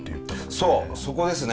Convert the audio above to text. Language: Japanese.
そうそこですね。